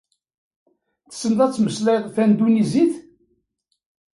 Tessneḍ ad temmeslayeḍ tandunisit?